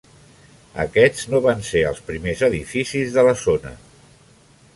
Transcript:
Aquests no van ser els primers edificis de la zona.